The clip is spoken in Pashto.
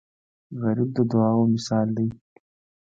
غریب د دعاو مثال دی